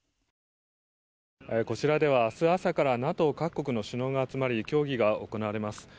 こちらでは、明日朝からＮＡＴＯ各国の首脳が集まり協議が行われます。